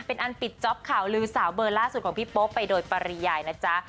เป็นอันปิดจ๊อปข่าวลือสาวเบอร์ล่าสุดของพี่โป๊ไปโดยปริยายนะจ๊ะ